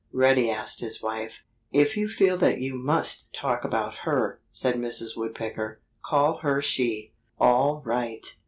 Reddy asked his wife. "If you feel that you must talk about her," said Mrs. Woodpecker, "call her 'she.'" "All right!